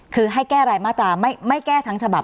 คือให้แก้รายมาตราไม่แก้ทั้งฉบับ